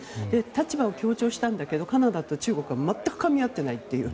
立場を強調したんだけどカナダと中国は全くかみ合ってないという。